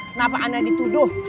kenapa ana dituduh